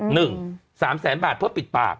สามแสนบาทเพื่อปิดปาก